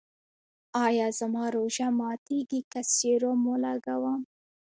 ایا زما روژه ماتیږي که سیروم ولګوم؟